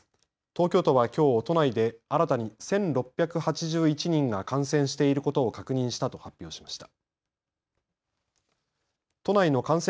東京都はきょう都内で新たに１６８１人が感染していることを確認したと発表しました。